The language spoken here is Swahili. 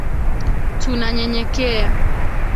Tunanyenyekea.